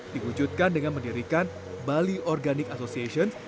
diwujudkan dengan mendirikan bali organic association